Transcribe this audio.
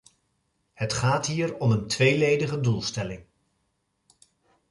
Het gaat hier om een tweeledige doelstelling.